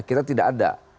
kita tidak ada